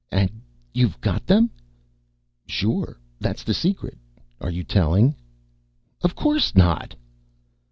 "And you've got them?" "Sure. That's the secret. Are you telling?" "Of course not."